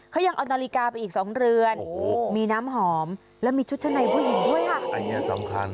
เขายังเอานาฬิกาไปอีกสองเรือนมีน้ำหอมและมีชุดชะในผู้หญิงด้วยค่ะ